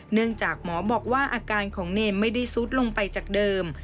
เนื่องจากหมอบอกว่าอาการของเนรไม่ได้ซุดลงไปจากเดิม